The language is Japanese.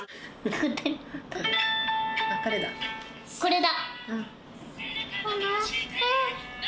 これだ。